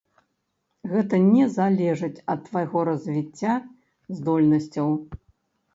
Гэта не залежыць ад твайго развіцця, здольнасцяў.